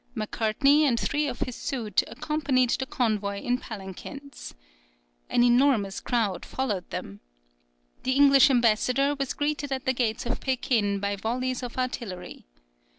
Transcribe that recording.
Macartney and three of his suite accompanied the convoy in palanquins. An enormous crowd followed them. The English ambassador was greeted at the gates of Pekin by volleys of artillery.